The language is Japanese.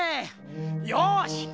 よし！